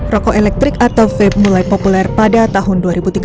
rokok elektrik atau vape mulai populer pada tahun dua ribu tiga belas